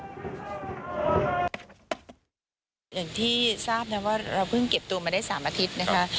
อย่างที่ทราบนะว่าเราเพิ่งเก็บตัวมาได้๓อาทิตย์นะคะ